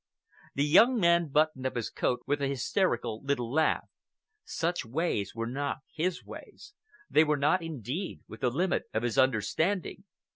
The young man buttoned up his coat with an hysterical little laugh. Such ways were not his ways. They were not, indeed, within the limit of his understanding.